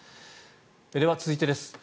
では、続いてです。